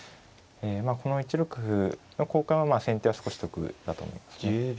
まあこの１六歩の交換は先手は少し得だと思いますね。